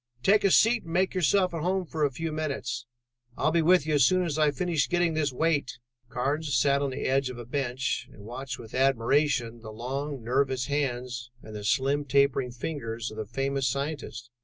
"Take a seat and make yourself at home for a few minutes. I'll be with you as soon as I finish getting this weight." Carnes sat on the edge of a bench and watched with admiration the long nervous hands and the slim tapering fingers of the famous scientist.